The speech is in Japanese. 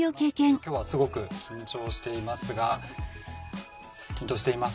今日はすごく緊張していますが緊張しています。